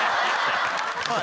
はい